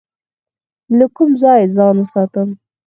له کوم ځای ځان وساتم؟